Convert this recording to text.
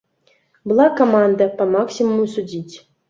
Была каманда па максімуму судзіць.